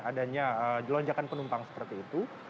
adanya jelonjakan penumpang seperti itu